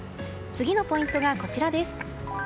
次のポイントが、こちらです。